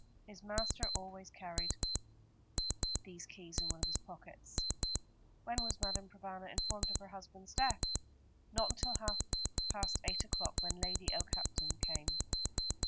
His master always carried these keys in one of his pockets. "When was Madame Provana informed of her husband's death?" "Not until half past eight o'clock, when Lady Okehampton came.